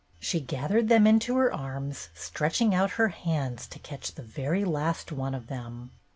She gathered them into her arms, stretching out her hands to catch the very last one of them.